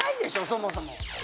そもそも。